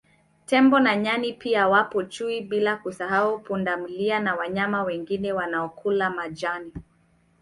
Tembo na Nyani pia wapo Chui bila kusahau Pundamilia na wanyama wengine wanaokula majani